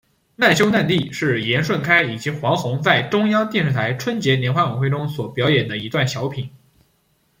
难兄难弟是严顺开以及黄宏在中央电视台春节联欢晚会中所表演的一段小品。